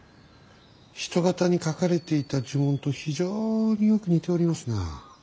人形に書かれていた呪文と非常によく似ておりますな。